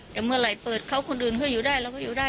แต่เมื่อไหร่เปิดเขาคนอื่นเขาอยู่ได้เราก็อยู่ได้